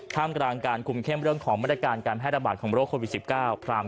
มกลางการคุมเข้มเรื่องของมาตรการการแพร่ระบาดของโรคโควิด๑๙